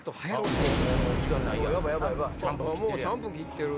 もう３分切ってる。